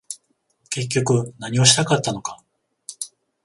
結局何をしたかったのか